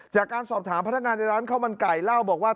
จากการสอบถามพนักงานในร้านข้าวมันไก่เล่าบอกว่า